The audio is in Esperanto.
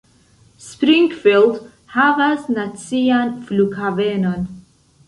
Springfield havas nacian flughavenon.